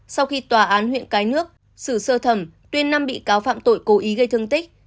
sau khi tòa án huyện cái nước xử sơ thẩm tuyên năm bị cáo phạm tội cố ý gây thương tích